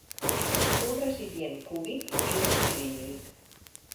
Un recipient cúbic i un de cilíndric.